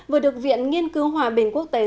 vừa được viện nghiên cứu hòa bình quốc tế